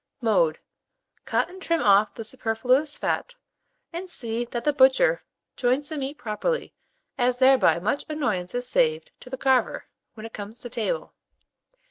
Mode. Cut and trim off the superfluous fat, and see that the butcher joints the meat properly, as thereby much annoyance is saved to the carver, when it comes to table.